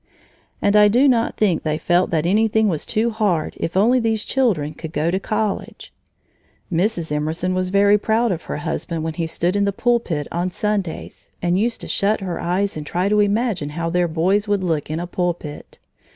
And I do not think they felt that anything was too hard if only these children could go to college. Mrs. Emerson was very proud of her husband when he stood in the pulpit on Sundays, and used to shut her eyes and try to imagine how their boys would look in a pulpit.